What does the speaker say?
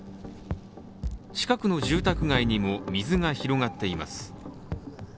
近くの住宅街にも水が広がっています。